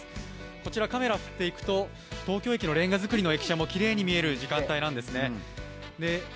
こちらカメラ振っていくと、東京駅のれんが造りの駅舎もきれいに見える時間帯なんですね。